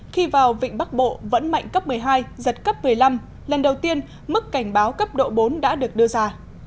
khi vào vịnh bắc bộ vẫn mạnh cấp một mươi hai giật cấp một mươi năm lần đầu tiên mức cảnh báo cấp độ bốn đã được đưa ra